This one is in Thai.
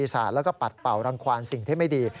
ศาสตร์แล้วก็ปัดเป่ารังควานสิ่งที่ไม่ดี